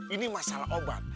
ini masalah obat